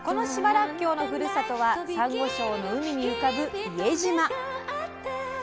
らっきょうのふるさとはさんご礁の海に浮かぶ伊江島。